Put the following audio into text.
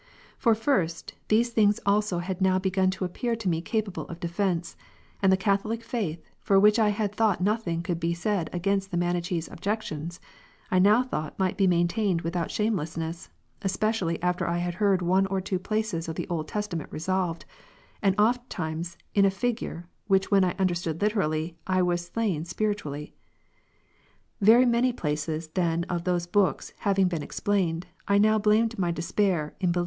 For first, these things also ' had now begun to appear to me capable of defence; and the Catholic faith, for which I had thought nothing could be said against the Manichees' objections, I now thought might be maintained without shamelessness ; especially after I had heard one or two places of the Old Testament resolved, and ofttimes ^'in a figure,''' which, when I understood literally, I i Cor. was slain sj^iritually. Very many places then of those books P/j^?'o having been explained, I now blamed my despair, in be 6.